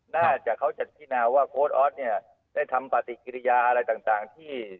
น่าจะเค้าจะชัดสินาวิวว่าโปรดออสเนี่ยได้ทำปฏิกิริยากางต่างที่